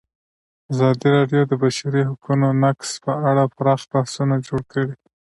ازادي راډیو د د بشري حقونو نقض په اړه پراخ بحثونه جوړ کړي.